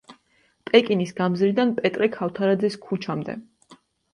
პეკინის გამზირიდან პეტრე ქავთარაძის ქუჩამდე.